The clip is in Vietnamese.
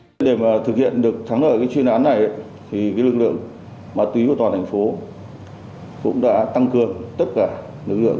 tổng số vật chứng thu giữ trong chuyên án này là một mươi bánh heroin bốn tám kg ketamine ba xe ô tô cùng nhiều đồ vật tài liệu có liên quan